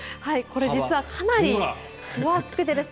これ実はかなり分厚くて。